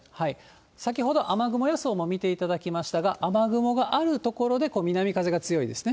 先ほど雨雲予想も見ていただきましたが、雨雲がある所で南風が強いですね。